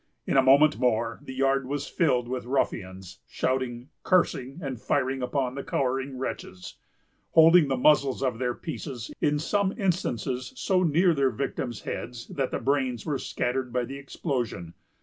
In a moment more, the yard was filled with ruffians, shouting, cursing, and firing upon the cowering wretches; holding the muzzles of their pieces, in some instances, so near their victims' heads that the brains were scattered by the explosion.